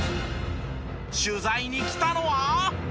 取材に来たのは。